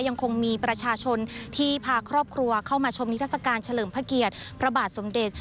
ยังคงมีประชาชนที่พาครอบครัวเข้ามาชมนิทรศการเฉลิมพระเกียรติพระบาทสมเด็จ